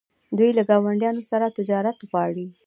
دوی له ګاونډیانو سره تجارت غواړي.